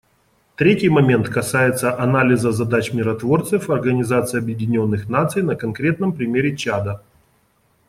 Третий момент касается анализа задач миротворцев Организации Объединенных Наций на конкретном примере Чада.